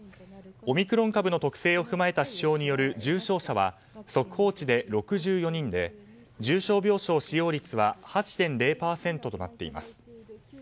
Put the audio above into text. オミクロン株の特性を踏まえた指標による重症者は速報値で６４人で重症病床使用率は８．０％となっています。